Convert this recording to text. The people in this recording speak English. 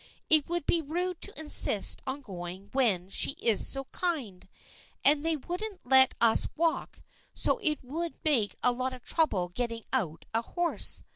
It would be rude to insist on going when she is so kind, and they wouldn't let us walk, so it would make a lot of trouble getting out a horse.